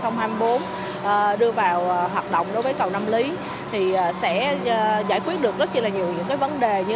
năm bốn đưa vào hoạt động đối với cầu năm lý thì sẽ giải quyết được rất là nhiều những cái vấn đề như